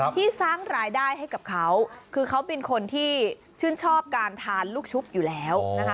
ที่สร้างรายได้ให้กับเขาคือเขาเป็นคนที่ชื่นชอบการทานลูกชุบอยู่แล้วนะคะ